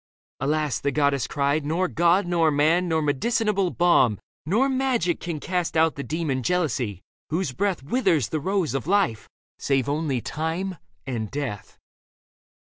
" Alas," the goddess cried, " nor god, nor man, Nor medicinable balm, nor magic can Cast out the demon jealousy, whose breath Withers the rose of life, save only time and death."